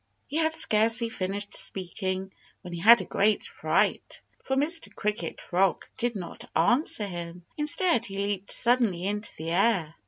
He had scarcely finished speaking when he had a great fright. For Mr. Cricket Frog did not answer him. Instead he leaped suddenly into the air.